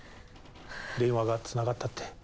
電話がつながったって。